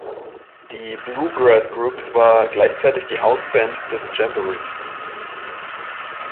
Die Blue Grass Group war gleichzeitig die Hausband des Jamborees.